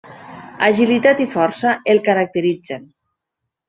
Agilitat i força el caracteritzen.